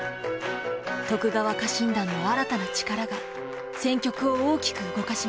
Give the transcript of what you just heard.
徳川家臣団の新たな力が戦局を大きく動かします。